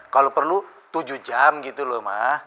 kalau perlu tujuh jam gitu loh mah